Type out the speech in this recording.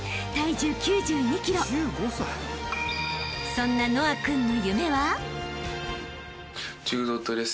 ［そんな和青君の］